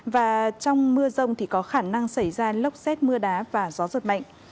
và trong mưa rông thì có khả năng xảy ra lốc xét mưa đá và gió giật mạnh